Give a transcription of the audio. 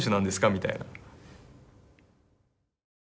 みたいな。